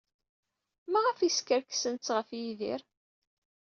Maɣef ay skerkisent ɣef Yidir?